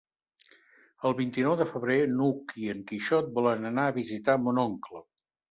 El vint-i-nou de febrer n'Hug i en Quixot volen anar a visitar mon oncle.